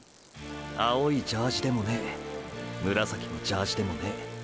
青いジャージでもねぇ紫のジャージでもねぇ。